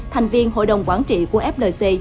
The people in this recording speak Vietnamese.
thành viên hội đồng quản trị của flc